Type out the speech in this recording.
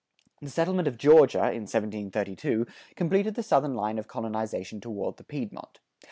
The settlement of Georgia, in 1732, completed the southern line of colonization toward the Piedmont.